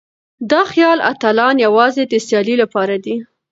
دا خيالي اتلان يوازې د سيالۍ لپاره دي.